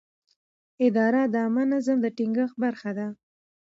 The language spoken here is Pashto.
اداره د عامه نظم د ټینګښت برخه ده.